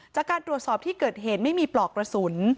จากการตรวจสอบที่เกิดเหตุไม่มีปลอกกระสุน